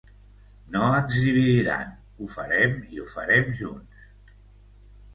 No ens dividiran, ho farem i ho farem junts